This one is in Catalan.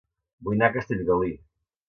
Vull anar a Castellgalí